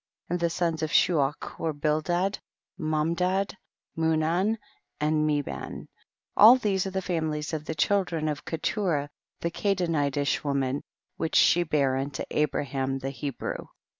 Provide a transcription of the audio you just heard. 5. And the sons of Shuach were Bildad, Mamdad, Munan and Meban ; all these arc the families of the chil dren of Keturah the Canaanitish wo man which she bare unto Abraham the Hebrew.